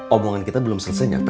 obongan kita belum selesai ya pat